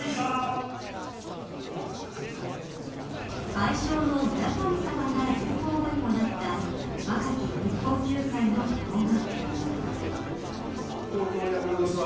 愛称の村神様が流行語にもなった若き日本球界の顔が。